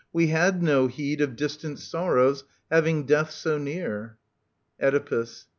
We had no heed Of distant sorrows, having death so near. Oedipus.